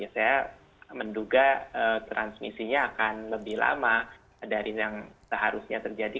saya menduga transmisinya akan lebih lama dari yang seharusnya terjadi